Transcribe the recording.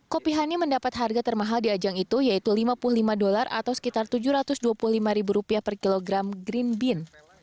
kopi honey mendapat harga termahal di ajang itu yaitu lima puluh lima dolar atau sekitar tujuh ratus dua puluh lima ribu rupiah per kilogram green bean